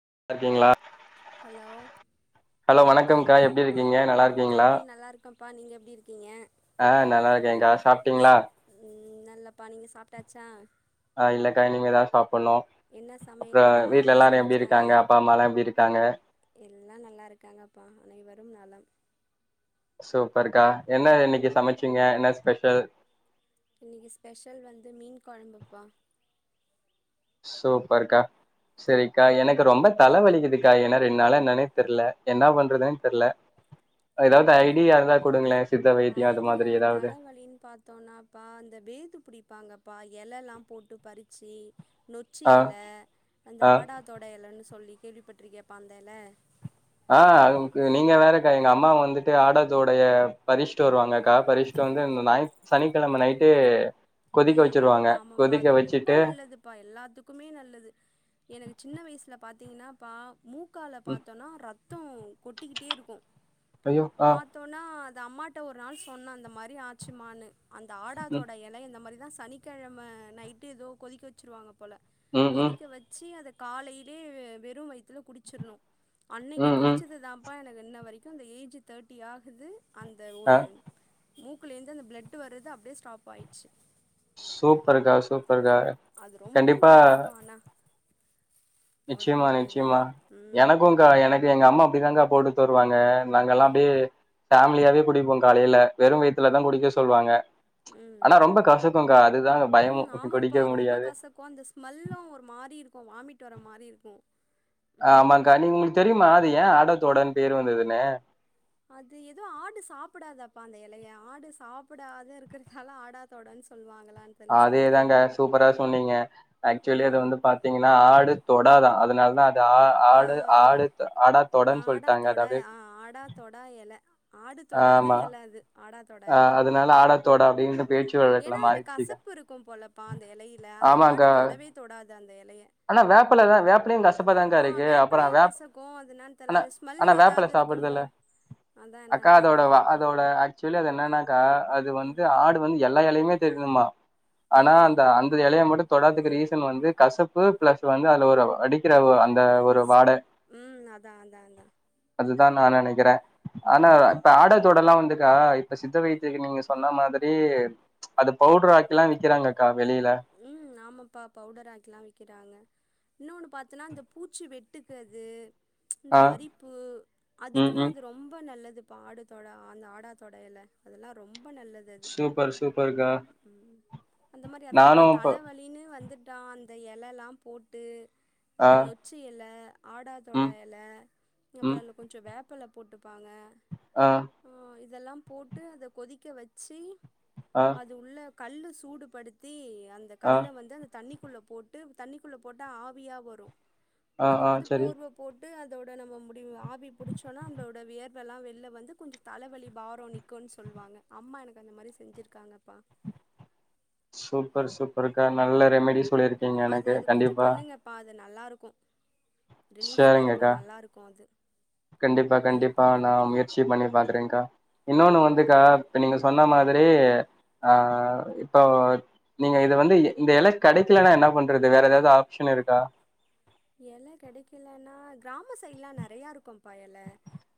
லா இருக்கீங்களா hello hello வணக்கம்கா எப்டிருக்கீங்க நல்லாருக்கீங்களா ப்பா நீங்க எப்டி இருக்கீங்க ஆ நல்லாருக்கேன்கா சாப்டீங்களா ம் நல்லப்பா நீங்க சாப்டாச்சா ஆ இல்லக்கா இனிமே தா சாப் பண்ணு என்ன அப்புற சமையல்ப்பா அம்மா வீட்ல என்ன எல்லாரு எப்டி சமச்சாங்க இருக்காங்க அப்பாம்மால்லா எப்டி இருக்காங்க எல்லா நல்லா இருக்காங்கப்பா அனைவரும் நலம் சூப்பர்க்கா என்னா இன்னைக்கு சமச்சிங்க என்ன ஸ்பெஷல் இன்னைக்கு ஸ்பெஷல் வந்து மீன் கொழம்புப்பா சூப்பர்க்கா செரிக்கா எனக்கு ரொம்ப தலை வலிக்குதுக்கா ஏன்னா ரெண்டு நாளா என்னனே தெரில என்னா பண்றதுன்னே தெரல அது ஐடியா மாதிரி ஏதாவது தலைவழின்னு பாத்தோனாப்பா அந்த பேது பிடிப்பாங்க ப்பா எலைலா போட்டு பறிச்சிச் நொச்சி ஆ இலை அந்த ஆ ஆடாதொடை இலைன்னு சொ சொல்லி கேள்விப்பட்ருக்யாப்பா அந்த எல ஆ நீங்க வேறக்கா எங்க அம்மா வந்துட்டு ஆடாதொடைய பரிஷ்ட்டு வருவாங்கக்கா பரிஷ் வந்து இந்தநாய் சனிக்கெழம நைட்டே கொதிக்க ம் வச்சிருவாங்க ஆமாப்பா கொதிக்க அது ரொம்ப வச்சுட்டு நல்லதுப்பா எல்லாத்துக்குமே நல்லது எனக்கு சின்ன வயசுல பாத்தீங்னா ப மூக்கால ம் பத்தோனா ரத் கொட்டிக்கிட்டே இருக்கு ஐயோ ஆ பாத்தோனா அது அம்மாட்ட ஒரு நாள் சொன்ன அந்த மாரி ஆச்சுமான்னு அந்த ம் ஆடாதோடா எலைய இந்த மாரி தா சனிக்கெழம நைட்டு எதோ கொதிக்க வச்சிருவாங்க போல ம் ம் கொதிக்க வெச்சி அத காலைலே வெறு வயித்துல குடிச்சிர்னு அன்னைக்கு ம் ம் குடிச்சது தாம்ப்பா எனக் கு இன்ன வரைக்கு இந்த ஏஜு தேட்டி ஆகுது அந்த ஆ ஒரு மூக்குலேர்ந்து அந்த ப்ளட்டு வரது அப்டியே ஸ்டாப் ஆயிட்ச்சு சூப்பருக்கா சூப்பருக்கா அது ரொம்ப கண்டிப்பா நல்லதுப்பா ஆனா நிச்சயமா ஒடம்புக்கு அது நிச்சயமா ம் எனக்குங்க்கா எனக்கு எங்க அம்மா அப்டிதாங்க்கா போட்டு தருவாங்க நாங்கெல்லா ஆ அப்டியே ஃபேமிலியாவே குடிப்போ காலைல வெறு வயித்துல தா குடிக்க சொல்வாங்க ம் ஆனா ரொம்ப ம் கசக்குங்க்கா அது தா பயமு ம் ஆமாப்பா குடிக்க ரொம்ப முடியாது கு வாமிட் வர மாரி இருக்கு ஆமாங்க்கா நீங் உங்ளுக் தெரியுமா அது ஏ ஆடாதோடான் பேர் வந்ததுன்னு அது எதோ ஆடு சாப்பிடாதாப்பா அந்த எலைய ஆடு சாப்பிடாது இருக்கறதால ஆடாதோடான் சொல்வாங் அதே தாங்க்கா சூப்பரா சொன்னீங்க ஆ ஆக்ச்சுலி அது வந்து பாத்தீங்கனா ஆடு தொடாதா அதுனால் தா தா ஆ ஆடு ஆடு த ஆடாதொடன் சொல்ட்டாங்க ஆடாதொட அதாவ்து ஆ ஆடாதொடா எல ஆடு தொடாத எல அது ஆடா ஆ அதுனால ஆடாத்தோடா அப்டினு ஏனா அதுல கசப்பிருக்கு போலப்பா அந்த எலையில அந்த ஆடு ஆமாங்கா. தொடவே தொடாது அந்த எலைய ஆனா வேப்பில தா வேப்பிலயு கசப்பாதாங்க்கா ஆ இருக்கு அப்பறோ வேப்பலையு வேப் கசக்கு அது என்னான்னு தெர்ல ஆனா அது ஸ்மெல் ஆனா வேப்பில ஏதாவது சாப்புடு இருக்குமோ துல்ல அதா அக்கா என்னான்னு அதோட வ தெரியல இப்ப அதோட ஆக்ச்சுலி அது என்னனாக்கா அது வந்து ஆடு வந் எல்லா எலையுமே தெர்ணுமா ஆ ஆனா அந்த அந்த எலைய மட்டு தொடாதுக்கு ரீசன் வந்து கசப்பு பிளஸ் வந்து அதுல ஒரு அடிக்கிற ஒ அந் ஸ்மு ம் அதா அதா அதா அதா நா நெனைக்கறே ஆனா ம் இப்ப ஆடாதோடல்லா வந்து கா இப்ப சித்த வைத்தியக்கு நீங்க சொன்ன மாதிரி அது பவுடர் ஆக்கில்லா விக்கிறாங்கக்கா வெளியில ம் ஆமாப்பா பவுடர் ஆக்கில்லா விக்கிறாங்க இன்னோனு பாத்தினா அந்த பூச்சி வெட்டுக்கு அது இந்த ஆ அரிப்பு ம் அதுக்குலா ம் அது ரொம்ப நல்ல துப்பா ஆடு தொடா அந்த ஆடாதொட எல அதெல்லா ரொம் ப நல்லது அது சூப்பர் சூப்பர்க்கா ம் அந்த மாரி அதாப்பா நானும் இப்போ தலவலின்னு வந்து ட்டா அந்த எலல்லா போட்டு ஆ இந்த நொச்சி எல, ஆடாதோடா ம் எல அப்றோ ம் அதுல கொஞ்சோ வேப்பில போட்டு ப்பாங்க ஆ அ இதெல்லா போட்டு அத கொதிக்க வச்சி ஆ அது உள்ள கல்லு சூடுப்படுத்தி அந்த ஆ கல்ல வந்து அந்த தண்ணிக்குள்ள போட்டு தண்ணிக்குள்ள போட்டா ஆவியா வரு ஆ அத ஆ வந்து சரி போர்வ போட் டு அதோட நம்ம முடி ஆவி புடிச்சோன்னா நம்ளோட வேர்வல்லா வெள்ல வந்து கொஞ்சோ தலவலி, பாரோ நிக்கு சொல்வாங்க அம்மா எனக் அந்த மாரி செஞ்சிருக்காங்கப்பா சூப்பர் சூப்பருக்கா நல்ல ரெமிடி சொல்லிருக்கீங்க எனக்கு கண்டிப்பா நல்லாருக்கு ரிலீஃபா சரிங்கக்கா இருக்கு நல்லாருக்கு அது கண்டிப்பா அதை கண்டிப்பா நா பண்ணுங்கப்பா முயற்சி பண்ணி பாக்கறேங்க்கா இன்னோன்னு ம் வந்துக்கா இப்ப நீங்க சொன்ன மாதிரி ஆ இப்போ நீங்க இது வந்து இந்த எல கெடைக்கலன்னா என்ன பண்றது வேற எதாவ்து ஆப்ஷனு இருக்கா எல கெடைக்கலன்னா கிராமோ சைட்ல்லா நெறைய இருக்கும்ப்பா எல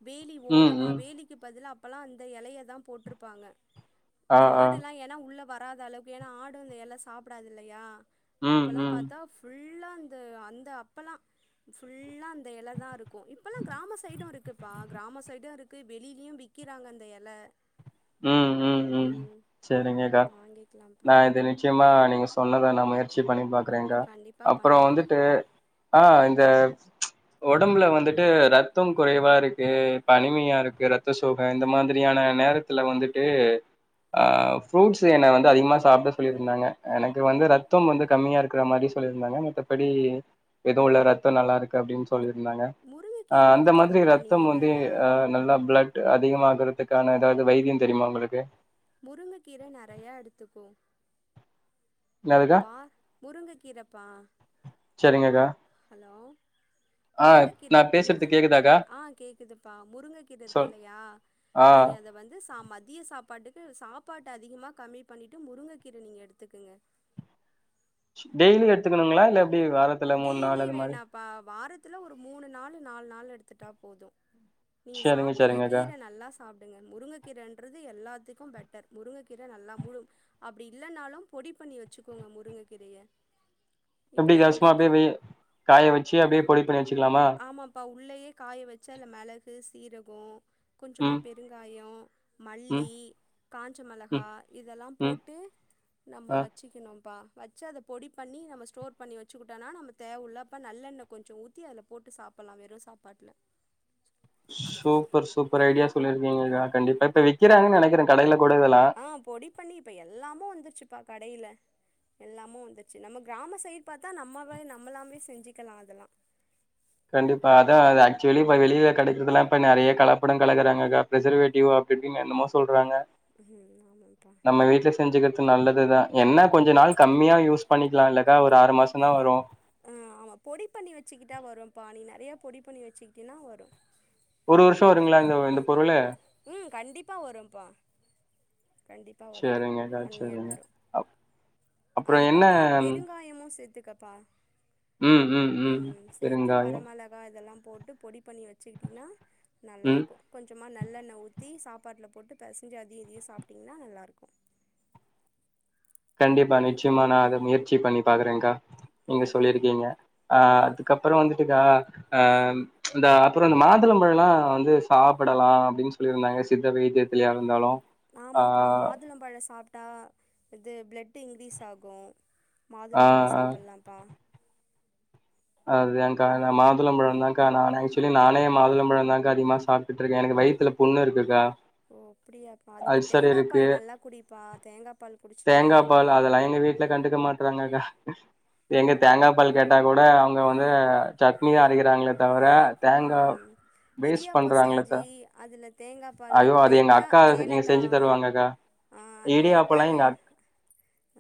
வேலி ம் ஓரமா ம் வேலிக்கு பதில் அப்பல்லா அந்த எலைய தா போட்ருப்பாங்க ஆ ஆ ஆடுல்லா ஏனா உள்ள வராதளவுக்கு ஏனா ஆடு அந்த எல சாப்டாதில்லையா ம் அப்பல்லா ம் பாத்தா ஃபுல்லா அந்த அந்த [inaudible] ஃபுல்லா அந்த இலை தா இருக்கு இப்பெல்லா கிராம சைடு இருக்குப்பா கிராம சைடு இருக்கு வெளிலயு வி விக்குறாங்க அந்த இலை ம் ம் ம் சரிங்கக்கா வாங்கிக்கலாம்ப்பா நா இது நிச்சயமா நீங்க சொன்னத நா முயற்சி பண்ணி பாக்குறேக்கா கண்டிப்பா அப்புற பண்ணுப்பா வந்துட்டு ஆ இந்த ஒடம்புல வந்துட்டு ரத்தம் குறைவா இருக்கு அனிமியா இருக்கு ரத்த சோக இந்த மாதிரி ரியான நேரத்துல வந்துட்டு ஆ ஃப்ரூட்ஸ் என்ன வந்து அதிகமா சாப்ட சொல்லியிருந்தாங்க எனக்கு வந்து ரத்தம் வந்து கம்மியா இருக்கிற மாரி சொல்லியிருந்தாங்க மத்தபடி எதுவு இல்ல ரத்தோ நல்லா இருக்கு அப்டின்னு சொல்லி ருந்தாங்க முருங்கக்கீரை அந்த மாதிரி எடுத்துக்கப்பா ரத்தம் நீனு வந்து நல்லா நல்லா பிளட் அதிகமாகறதுக்கான ஏதாவது வைதியம் தெரியுமா உங்களுக்கு முருங்க கீரை நறையா எடுத்துக்கோ என்னதுக்கா வா முருங்க கீரப்பா சரிங்கக்கா ஹலோ ஆ நா முருங்கக்கீரை முரு பேசுறது கேக்குதாக்கா ஆ கேக்குதுப்பா முருங்க கீர இருக்கு சொல் இல்லையா ஆ நீங்க அத வந்து ச மதிய சாப் பாட்டுக்கு சாப்பாட்டு அதிகமா கம்மி பண்ணிட்டு முருங்க கீர நீங்க எடுத்துக்கங்க டெய்லி எடுத்துக்கணுங்களா இல்ல எப்டி வாரத்துல மூணு நாளு அந்த மாரி த்துல ஒரு மூணு நாளு நாலு நாள் எடுத்துட்டா போது நீங்க சரிங்க சாப்பிடுங்க சரிங்கக்கா கீர நல்லா சாப்டுங்க முருங்கை கீரைன்றது எல்லாத்துக்கு பெட்டர் முருங்கை கீர நல்லா ஊரு அப்டி இல்லைன்னாலும் பொடி பண்ணி வச்சுக்கோங்க முருங்க கீரய இப்பல்லா எங்க வீட் பிபி காய வச்சு அப்டியே பொடி பண்ணி வச்சுக்கலாமா ஆமாப்பா உள்ளேயே காய வச்சு அதில மெளகு சீரகோ கொஞ்சமா ம் பெருங்காயோ மல்லி ம் காஞ்ச மெளகா ம் இதெல்லா ம் போட்டு நம்ம ஆ வச்சிக்கணும்ப்பா வச்சு அத பொடி பண்ணி நம்ம ஸ்டோர் பண்ணி வச்சுக்கிட்டோனா நம்ம தேவை உள்ளப்ப நல்லெண்ணெ கொஞ்ச ஊத்தி அதில போட்டு சாப்பிட்லா வெறு சாப்பாட்ல சூப்பர் சூப்பர் ஐடியா சொல்லியிருக்கீங்கக்கா கண்டிப்பா இப்ப விக்கிறாங்கன்னு நெனைக்கிறே கடைல கூட இதெல்லா ஆ பொடி பண்ணி இப்ப எல்லாமு வந்துருச்சுப்பா கடையில எல்லாமு வந்துச்சு நம்ம கிராம சைடு பாத்தா நம்ம நம்மலாவே செஞ்சுக்கலா அதெல்லா கண்டிப்பா அதா ஆக்சுவலி இப்ப வெளிய கெடைக்கிறதெல்லா இப்ப நறைய கலப்படம் கலக்குறாங்கக்கா பிரசர்வேட்டிவ்வா டிங் என்னமோ சொல்றாங்க ம் ஆமாம்ப்பா நம்ம வீட்ல செஞ்சுக்கற்து நல்லதுதா என்ன கொஞ்ச நாள் கம்மியா யூஸ் பண்ணிக்கலா இல்லக்கா ஒரு ஆறு மாசந்தா வரு ஆ ஆமா பொடி பண்ணி வெச்சுக்கிட்டா வரு பா நீ நறைய பொடி பண்ணி வெச்சுக்கிட்டன்னா வரு ஒரு வருஷோ வருங்களா இந்த இந்த பொருளு உம் கண்டிப்பா வரும்ப்பா கண்டிப்பா வரு செரிங்கக்கா ஒன் இயர் செரிங்க வரு அப் அப்றோ அதுல என்ன பாத்தோன்னா பெருங்காயமு சேத் த்துக்கப்பா ம் ம் ம் பெருங்காயோ வரமெளகா இதெல்லா போட்டு பொடி பண்ணி வச்சுக்கிட்டினா நல்லா ம் இருக்கு கொஞ்சமா நல்லெண்ண ஊத்தி சாப்பாட்ல போட்டு பெசஞ்சு அதையு இதயு சாப்ட்டீங்கன்னா நல்லா இருக்கு கண்டிப்பா நிச்சயமா நா அத முயற்சி பண்ணி பாக்குறேங்கா நீங்க ம் சொல்லியிருக்கீங்க ஆ அதுக்கப்பற வந்துட்டுக்கா ஆ இந்த அப்பறோ இந்த மாதுளம்பழ எல்லா வந்து சாப்பிடலா அப்படின்னு சொல்லியிருந்தாங்க சித்தவை த்தியத்திலயா இருந்தாலு ஆமாப்பா மாதுளம்பழ சாப்ட்டா இது பிளட்டு இன்கிரீஸ் ஆகு ஆ மாதுளம்பழ ஆ சாப்பிட்லாம்ப்பா அதுதான்க்கா நா மாதுளம்பழம் தான்க்கா நா ஆக்சுவலி நானே மாதுளம்பழந்தாக்கா அதிகமா சாப்டுட்டு இருக்கே எனக்கு வயித்துல புண்ணு இருக்குக்கா ஓ அப்டியாப்பா அதுக்கு அல்சர் தேங்கா இருக்கு பால் நல்லா குடிப்பா தேங்கா பால் குடிச்சினா தேங்காப் பால் அதெல்லா எங்க வீட்ல கண்டுக்க மாட் ராங்கக்கா எங்க ம் தேங்காப் பால் கேட்டா கூட ங்க வந்து சட்னிதா அரக்கிறாங்களே தவர ம் இடியாப்பொ த செஞ்சி அதுல தேங்காப் பால்ல ஐயோ அது எங்க லைட்டா அக்கா எ ஏலக்கா செஞ்சு தருவாங்கக்கா. ஆ அந்த லைட்டா இடியாப்பல்லாம் ஏ எங்க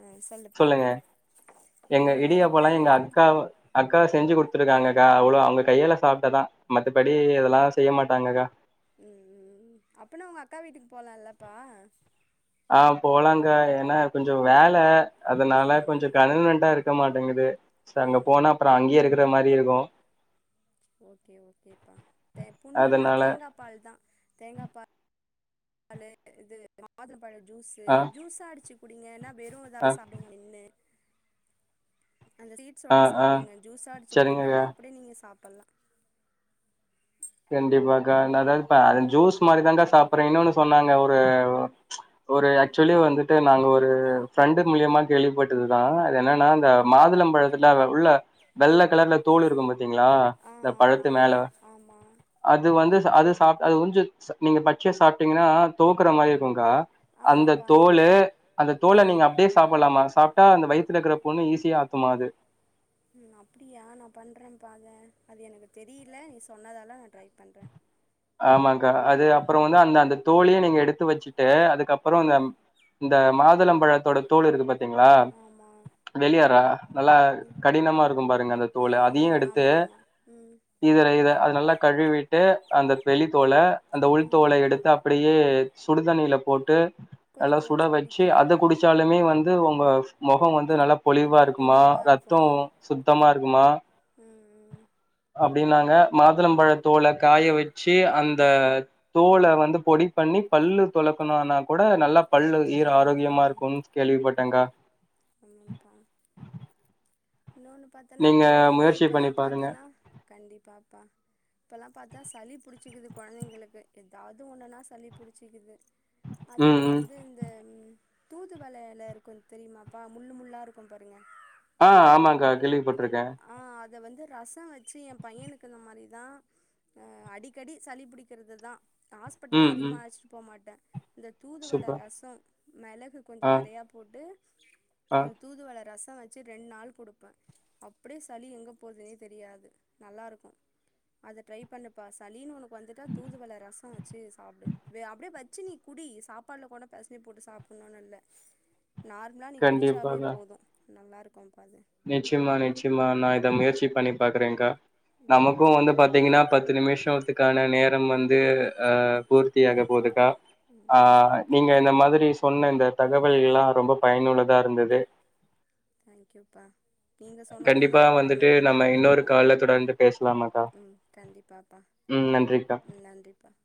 ஆ சொல்லுப்பா சொல்லுங்க எங்க அதுல இடியாப்போலா எங்க லைட்டான அக்காவ் அக்காவ செஞ்சு குடுத் த்துருக்காங்கக்கா அவ்ளோ அவுங்க கையாள சாப்ட்டாதா மத்தப்படி அதெல்லா செய்ய மாட்டாங்ககா ம் அப்பனா உங்க அக்கா வீட்டுக்கு போலால்லப்பா ஆ போலாங்கா ஏன்னா கொஞ்சொ வேல அதனால ம் கொஞ்சொ கனனெண்ட்டா இருக்க மாட் டேங்கிது சோ அங்க ம் போனா அப்றொ அங்கயே இருக்குற மாரி இருக்கு ஓகே ஓகேப்பா தே புண்ணுன்னா அதனால தேங்கா பால் தா தேங்கா பா பாலு இது மாதுள பழ ஜூஸு ஆ ஜூஸா அடிச்சி குடிங்க ஏனா வெறு இத ஆ அப்டியே சாப்டுங்க மென்னு அந்த ஆ சீட்ஸோட ஆ சாப்டுங்க ஜூஸா அடிச் சரிங்கக்கா குடிக்கிறதோட அப்டியே நீங்க சாப் பல்லா கண்டிப்பாகா நா த ப அத ஜூஸ் மாறிதாங்க்கா சாப் புர்ற இன்னொன்னு சொன்னாங்க ஒரு ஒரு ஆச்சுலி வந்துட்டு நாங்க ஒரு ஃப்ரெண்டு மூல்யமா கேள்விப்பட்டதுதா அது என்னன்னா அந்த மாதுளம் பழத்துல உள்ள வெள்ள கலர்ல தோல் இருக்கும் பாத்தீங்களா ஆ இந்த ஆமா பழத்து மேல ஆமா அது வந்து ச அது சாப் அது கொஞ்ச நீங்க பச்யா சாப்ட்டீங்கன்னா தோக்குற மாரி இருக்குங்க்கா அந்த ஆமாப்பா தோலு அந்த ஆ தோல நீங்க அப்டியே சாப்பல்லாமா சாப்ட்டா அந்த வயி த்துல இருக்குற புண்ணு ஈஸியா ஆத்துமா அது ம் அப்டியா நா பண்றேம்ப்பா அத அது எனக்கு தெரிய்ல நீ சொன்னதால ட்ரை பண்றே ஆமாங்க்கா அது அப்பறொ வந்து அந்த அந்த தோலயே நீங்க எடுத்து வச்சுட்டு அதுக்கப்றொ அந்த இந்த மாதுளம்பழத்தோட தோல் இருக்கு பாத்தீங்களா ஆமா வெளியறா நல்லா கடினமா இருக்கும் பாருங்க அந்த தோலு ம் அதியு ம் எடுத்து ஆமா ஆமா ம் இதுற இத அது நல்லா கழுவி ட்டு அந்த வெளி தோல அந்த ம் உள்தோல எடுத்து அப்டியே சுடுதண்ணியில போட்டு நல்லா கொதிக்க சுட வச்சு குடிக்கணு அத குடிச்சாலுமே வந்து உங்க மொகொ வந்து நல்லா பொலிவா இருக்குமா பொலிவா இருக்கு ரத்தொ சுத்தமா இருக்குமா ம் ம் அப்டின்னாங்க மாதுளம்பழத் தோல காய வெச்சி அந்த தோல வந்து பொடி பண்ணி பல்லு தொலக்குனோன்னாக் கூட நல்லா க பல்லு ஈர் ம் ஆரோக்கியமா ம் இருக்கூன் கேள்விப்பட்டங்க்கா ஆமாப்பா இன்னொன்னு பாத்தனா நீங்க கோல்டு முயற்சி இப்பல்லா பண்ணி பாருங்க பாத்தனா கண்டிப்பாப்பா இப்பல்லா பாத்தா சளி புடிச்சிக்கிது கொழந்தைங்களுக்கு ஏதாது ஒண்ணுன்னா சளி புடிச்சிக்கிது ம் அதுக்கு ம் வந்து இந்த தூதுவள எல இருக்கு தெரியுமா ப்பா முள்ளு முள்ளா இருக்கும் பாருங்க ஆ ஆமாங்க்கா கேள்விப்பட்ருக்க ரசொ வெச்சி ஏம் பையனுக்கு அந்த மாரி தா ஆ அடிக்கடி சளி புடிக்கிறது தா ஆஸ்பிட்டல்லா ம் ம் அதிகமா அழச்சிட்டு போமாட்ட இந்த தூதுவள சூப்பர் ரசொ மெளகு கொஞ்ச ஆ நறையா போட்டு ஆ தூதுவள ரஸ் தா வச்சு ரெண்ட் நாள் குடுப்ப அப்டியே சளி எங்க போதுன்னே தெரியாது நல்லா இருக்கு அத ட்ரை பண்ணுப்பா சளீனு ஒனக்கு வந்துட்டா தூதுவள ரசொ வெச்சு சாப்டு வே அப்டியே வச்சு நீ கு டி சாப்பாட்ல கூட பெசஞ்சி போட்டு சாப்புண்ணூனு இல்ல நார்ம்லா நீ குடிச்சாவே போது நல்லா இருக்கும்ப்பா அது நிச்சமா நிச்சமா நா இத முயற்சி பண்ணி பாக்குறேங்க்கா நமக்கு வந்து பாத்திங்கன்னா பத்து நிமிஷத்துக்கான நே ரம் வந்து ஆ பூர்த்தியாக போகுதுக்கா ஆ ம் ஓகே நீங்க இந்த மாதிரி சொன்ன இந்த தகவல் எல்லா ரொம்ப பயனுள்ளதா இருந்தது தாங்க்யூப்பா நீங்க சொன்னது கண்டிப்பா எனக்கு வந்துட்டு பயனுள்ளதா நம்ம இன்னொரு இருந்ததுப்பா கால்ல தொடர்ந்து பேசலாமாக்கா? ம் கண்டிப்பாப்பா ம் நன்றிக்கா ம் நன்றிப்பா